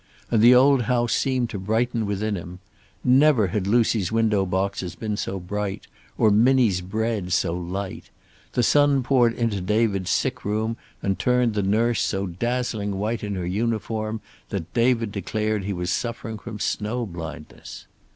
And the old house seemed to brighten with him. Never had Lucy's window boxes been so bright, or Minnie's bread so light; the sun poured into David's sick room and turned the nurse so dazzling white in her uniform that David declared he was suffering from snow blindness.